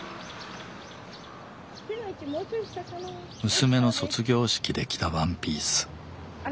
娘の卒業式で着たワンピース。